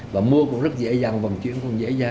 và mua cũng rất dễ dàng vận chuyển cũng dễ dàng